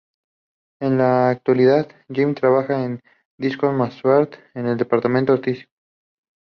En la actualidad Jaime trabaja en Discos Musart en el departamento artístico.